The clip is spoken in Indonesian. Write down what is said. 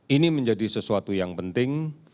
ini menjadi sesuatu yang penting